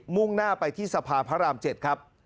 ่งหน้าไปที่สะพานพระราม๗ครับ